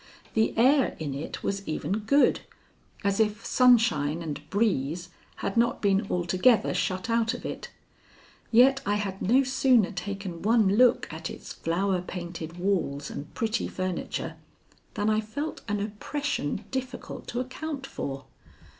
The air in it was even good, as if sunshine and breeze had not been altogether shut out of it, yet I had no sooner taken one look at its flower painted walls and pretty furniture than I felt an oppression difficult to account for.